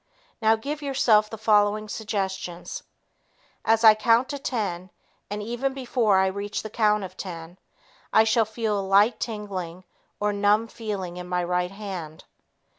Now give yourself the following suggestions: "As I count to ten and even before I reach the count of ten, I shall feel a light tingling or numb feeling in my right hand."